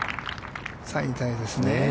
３位タイですね。